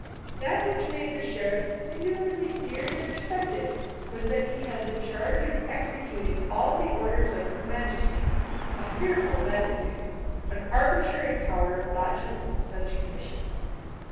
That which made the sheriff singularly feared and respected was that he had the charge of executing all the orders of her Majesty a fearful latitude. An arbitrary power lodges in such commissions.